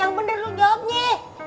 yang bener lo jawabnya